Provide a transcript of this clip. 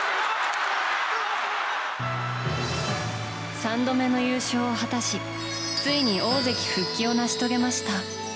３度目の優勝を果たしついに大関復帰を成し遂げました。